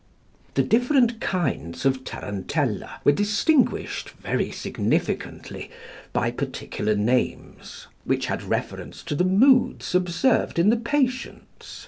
The different kinds of tarantella were distinguished, very significantly, by particular names, which had reference to the moods observed in the patients.